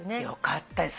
よかった。